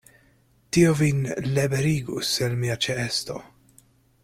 Tio vin liberigus el mia ĉeesto.